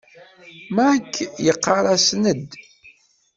Mike yeɣɣar-as Ned.